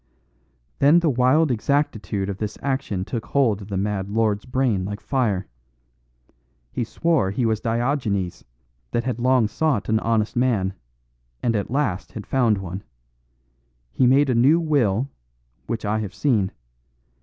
"Then the wild exactitude of this action took hold of the mad lord's brain like fire. He swore he was Diogenes, that had long sought an honest man, and at last had found one. He made a new will, which I have seen.